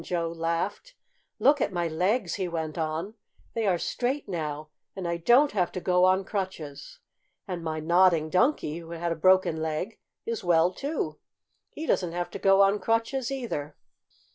Joe laughed. "Look at my legs!" he went on. "They are straight now, and I don't have to go on crutches. And my Nodding Donkey, who had a broken leg, is well, too! He doesn't have to go on crutches, either!"